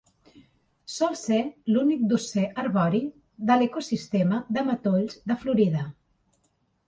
Sol ser l"únic dosser arbori del ecosistema de matolls de Florida.